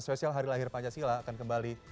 sosial hari lahir pancasila akan kembali